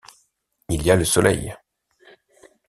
Il y a le soleil.